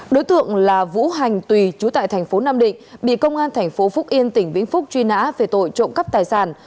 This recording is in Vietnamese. đối tượng là vũ hành tùy chú tại thành phố nam định bị công an thành phố phúc yên tỉnh vĩnh phúc truy nã về tội trộm cắp tài sản